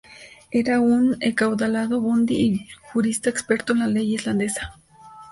Era un acaudalado bóndi y jurista experto en la ley islandesa.